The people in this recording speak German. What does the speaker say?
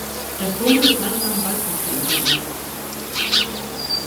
Der Vogel ist leichter am Waldrand zu entdecken.